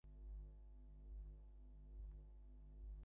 হিন্দুরা বিষম শশব্যস্ত হইয়া উঠিল, কেহ তাহাদিগকে আশ্রয় দিল না।